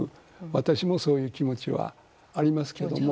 私もそういう気持ちはありますけれども。